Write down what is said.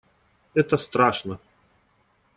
Это страшно.